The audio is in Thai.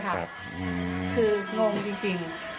คือน้องจริง